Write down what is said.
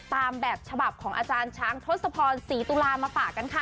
ตามแบบฉบับของอาจารย์ช้างทศพรศรีตุลามาฝากกันค่ะ